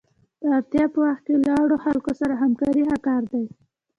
د اړتیا په وخت کې له اړو خلکو سره همکاري ښه کار دی.